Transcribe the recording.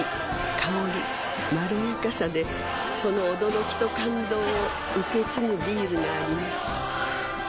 香りまろやかさでその驚きと感動を受け継ぐビールがあります